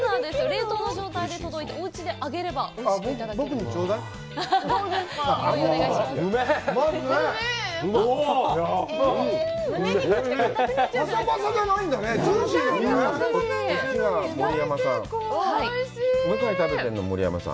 冷凍の状態で届いて、おうちで揚げれるおいしくいただけます。